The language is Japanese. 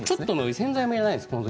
洗剤もいらないです。